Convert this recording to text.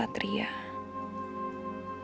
sampai ketemu dengan santria